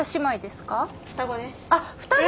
あっ双子！